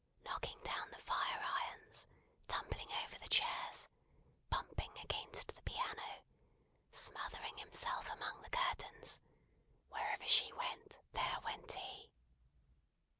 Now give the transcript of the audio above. Knocking down the fire irons, tumbling over the chairs, bumping against the piano, smothering himself among the curtains, wherever she went, there went he!